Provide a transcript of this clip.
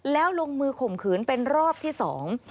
แล้วลงมือข่มขืนเป็นรอบที่สอง